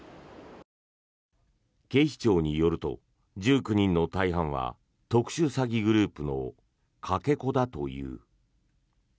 警視庁によると１９人の大半は特殊詐欺グループのかけ子だという。